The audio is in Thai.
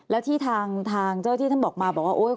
แล้วที่ทางเจ้าที่ท่านบอกมาบอกว่า